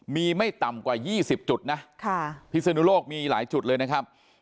มีไม่ต่ำกว่า๒๐จุดนะพิศนุโลกมีหลายจุดเลยนะครับ